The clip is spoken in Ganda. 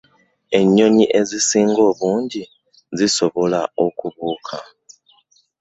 Ennyonyi ezisinga obungi zisobola okubuuka.